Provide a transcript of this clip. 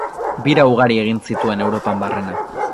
Bira ugari egin zituen Europan barrena.